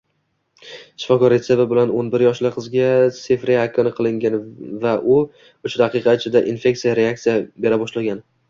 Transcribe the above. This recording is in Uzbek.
Shifokor retsepti bilano´n biryoshli qizga Seftriakson qilingan vauchdaqiqa ichida inyeksiya reaksiya bera boshlagan